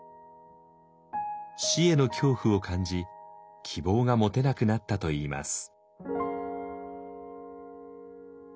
死への恐怖を感じ希望が持てなくなったといいます。